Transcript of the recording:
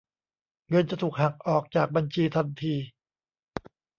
เงินจะถูกหักออกจากบัญชีทันที